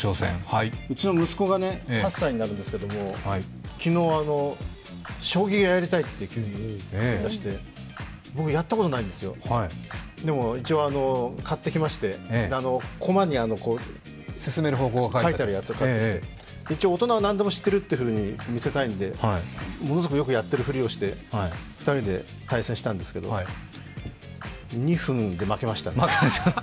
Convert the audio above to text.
うちの息子が８歳になるんですけども、昨日、将棋をやりたいと急に言い出して、僕やったことないんですよ、でも一応買ってきまして、駒に進める方向が書いてあるやつを買ってきて、一応、大人は何でも知ってると見せたいんで、ものすごくよくやっているふりをして、２人で対戦したんですけど、２分で負けました。